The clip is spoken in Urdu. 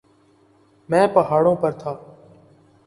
. میں پہاڑوں پر تھا.